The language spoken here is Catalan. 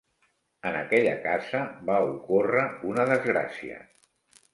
En aquella casa va ocórrer una desgràcia.